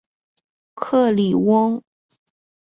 克里翁。